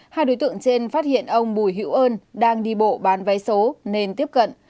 hai đối tượng trên phát hiện ông bùi hữu ơn đang đi bộ bán vé số nên tiếp cận